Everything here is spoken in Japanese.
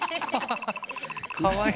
かわいい。